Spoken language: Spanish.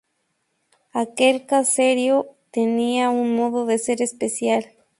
Aquel caserío tenía un modo de ser especial.